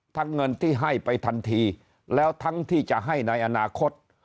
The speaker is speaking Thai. เงินที่ให้ไปทันทีแล้วทั้งที่จะให้ในอนาคต